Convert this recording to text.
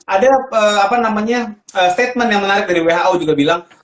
ada apa namanya statement yang menarik dari who juga bilang